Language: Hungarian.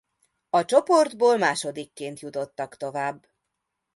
A csoportból másodikként jutottak tovább.